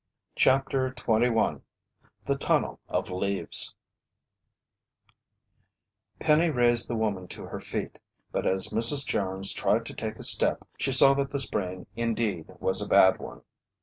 CHAPTER 21 THE TUNNEL OF LEAVES Penny raised the woman to her feet, but as Mrs. Jones tried to take a step, she saw that the sprain indeed was a bad one.